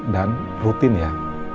dan rutin ya